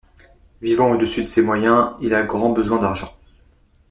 Vivant au-dessus de ses moyens, il a grand besoin d’argent.